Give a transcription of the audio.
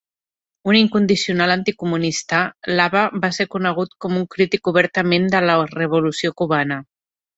Un incondicional anticomunista, lava va ser conegut com un crític obertament de la revolució cubana.